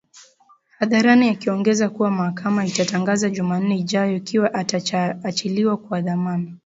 hadharani akiongeza kuwa mahakama itatangaza Jumanne ijayo ikiwa ataachiliwa kwa dhamana